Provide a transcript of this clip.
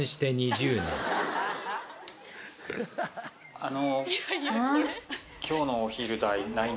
あの。